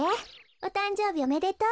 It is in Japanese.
おたんじょうびおめでとう。